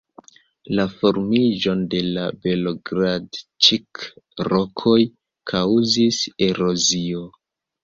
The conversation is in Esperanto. La formiĝon de la Belogradĉik-rokoj kaŭzis erozio.